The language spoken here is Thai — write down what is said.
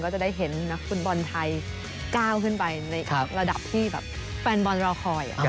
ก็จะได้เห็นนักฟุตบอลไทยก้าวขึ้นไปในระดับที่แบบแฟนบอลรอคอย